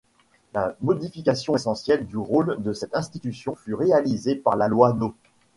La modification essentielle du rôle de cette institution fut réalisée par la Loi no.